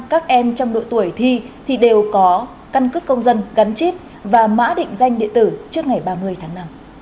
các em trong độ tuổi thi thì đều có căn cức công dân gắn chít và mã định danh địa tử trước ngày ba mươi tháng năm